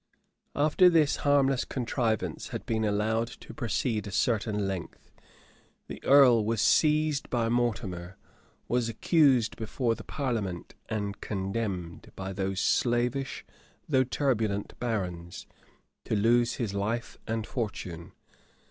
[*] {1330.} After this harmless contrivance had been allowed to proceed a certain length, the earl was seized by Mortimer, was accused before the parliament, and condemned, by those slavish though turbulent barons, to lose his life and fortune.